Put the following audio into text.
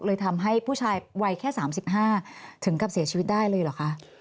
เลยทำให้ผู้ชายวัยแค่๓๕ถึงกับเสียชีวิตได้เลยเหรอคะ